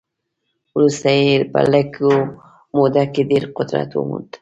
وروسته یې په لږه موده کې ډېر قدرت وموند.